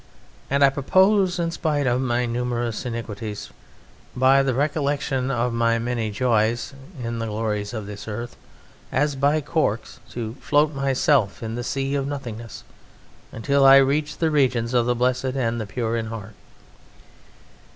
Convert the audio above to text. And I propose in spite of my numerous iniquities, by the recollection of my many joys in the glories of this earth, as by corks, to float myself in the sea of nothingness until I reach the regions of the Blessed and the pure in heart.